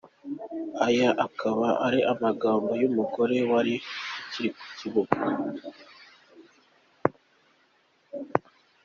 Aya akaba ari amagambo y’uyu mugore wari uri ku kibuga.